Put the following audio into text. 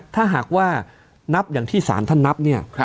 ถ้าหากว่านับอย่างที่สารท่านนับ